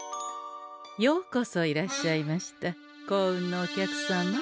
ようこそいらっしゃいました幸運のお客様。